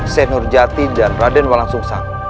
senur jati dan raden walang sungsang